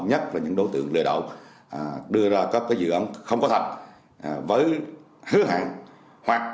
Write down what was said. nhất là những đối tượng lừa đảo đưa ra các cái dự án không có thật với hứa hạn